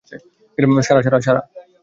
সারা Sara সারা!